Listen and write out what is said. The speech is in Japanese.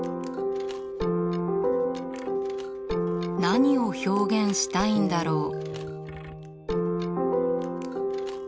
何を表現したいんだろう？